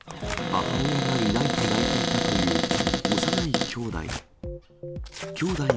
母親がいないと泣いていたという幼いきょうだい。